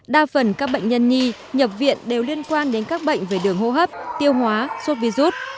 đa phần các bệnh nhân nhi nhập viện đều liên quan đến các bệnh về đường hô hấp tiêu hóa sốt virus